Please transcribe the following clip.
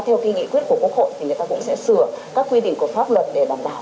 theo cái nghị quyết của quốc hội thì người ta cũng sẽ sửa các quy định của pháp luật để đảm bảo